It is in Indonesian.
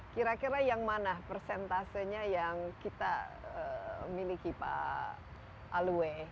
kira kira yang mana persentasenya yang kita miliki pak alwe